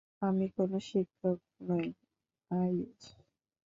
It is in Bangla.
আমি কোনো শিক্ষক নই, আইস।